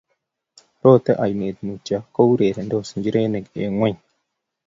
Rotei oinet mutyo ko urerendos njirenik eng ngwony